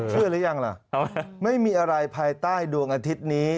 หรือยังล่ะไม่มีอะไรภายใต้ดวงอาทิตย์นี้